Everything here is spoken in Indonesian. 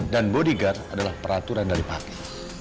dan bodyguard adalah peraturan dari papi